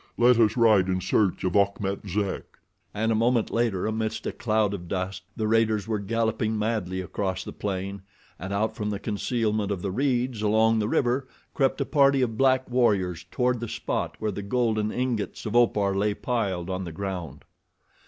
Let us ride in search of Achmet Zek!" And a moment later, amidst a cloud of dust, the raiders were galloping madly across the plain, and out from the concealment of the reeds along the river, crept a party of black warriors toward the spot where the golden ingots of Opar lay piled on the ground.